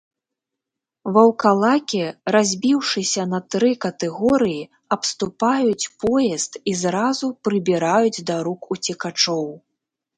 Ваўкалакі, разбіўшыся на тры катэгорыі, абступаюць поезд і зразу прыбіраюць да рук уцекачоў.